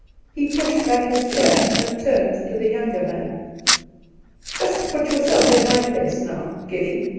He pushed back his chair and turned to the younger man. ' Just put yourself in my place, now, Geddy.